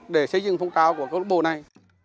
để xây dựng phong trào của câu lạc bộ này